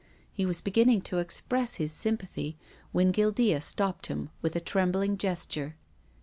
He was beginning to express his sympathy when Guildea stopped him with a trembling gesture.